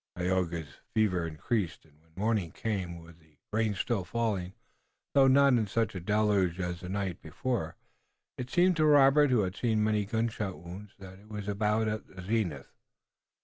Tayoga's fever increased, and when morning came, with the rain still falling, though not in such a deluge as by night, it seemed to Robert, who had seen many gunshot wounds, that it was about at the zenith.